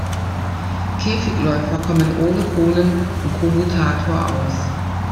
Käfigläufer kommen ohne Kohlen und Kommutator aus.